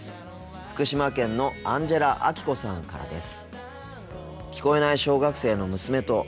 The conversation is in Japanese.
福島県のアンジェラアキコさんからです。